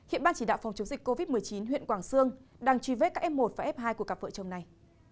hiện ban chỉ đạo phòng chống dịch covid một mươi chín huyện quảng sương đang truy vết các f một và f hai của cặp vợ chồng này